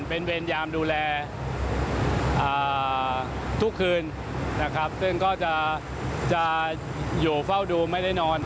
เป็นเวรยามดูแลทุกคืนนะครับซึ่งก็จะอยู่เฝ้าดูไม่ได้นอน